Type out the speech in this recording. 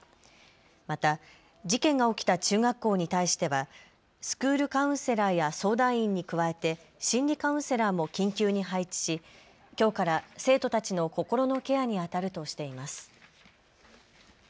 また事件が起きた中学校に対してはスクールカウンセラーや相談員に加えて心理カウンセラーも緊急に配置し、きょうから生徒たちの心のケアにあたるとしています。